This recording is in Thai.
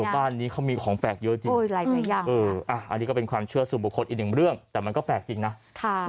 บ้านนี้เขามีของแปลกเยอะจริงอันนี้ก็เป็นความเชื่อสู่บุคคลอีกหนึ่งเรื่องแต่มันก็แปลกจริงนะ